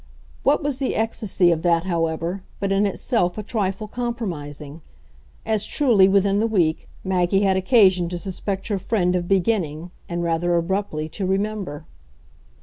What was the ecstasy of that, however, but in itself a trifle compromising? as truly, within the week, Maggie had occasion to suspect her friend of beginning, and rather abruptly, to remember.